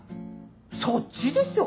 そっちでしょ？